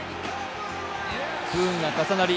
不運が重なり